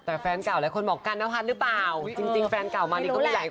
แต่แฟนเก่าหลายคนบอกกันนพัฒน์หรือเปล่าจริงจริงแฟนเก่ามานี่ก็มีหลายคน